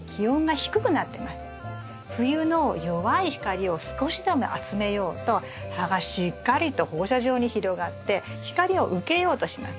冬の弱い光を少しでも集めようと葉がしっかりと放射状に広がって光を受けようとします。